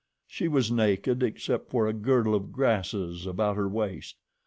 She was naked except for a girdle of grasses about her waist.